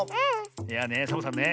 いやねサボさんね